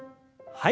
はい。